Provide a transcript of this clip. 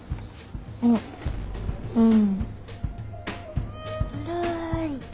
あっうん。